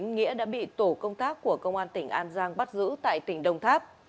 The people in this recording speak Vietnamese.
nghĩa đã bị tổ công tác của công an tỉnh an giang bắt giữ tại tỉnh đồng tháp